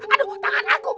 aduh tangan aku